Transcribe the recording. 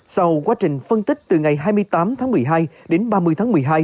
sau quá trình phân tích từ ngày hai mươi tám tháng một mươi hai đến ba mươi tháng một mươi hai